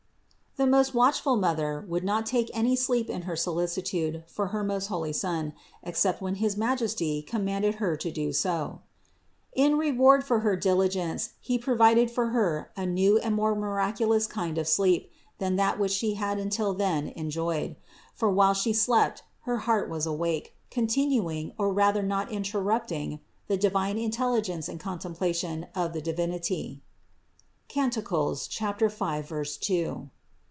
The most watch ful Mother would not take any sleep in her solicitude for her most holy Son, except when his Majesty commanded Her to do so. In reward for her diligence He provided for Her a new and more miraculous kind of sleep than that which She had until then enjoyed; for while She slept, her heart was awake, continuing or rather not in terrupting the divine intelligence and contemplation of 428 CITY OF GOD the Divinity (Cant. 5, 2).